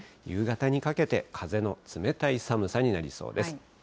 夕方にかけて、風の冷たい寒さになりそうです。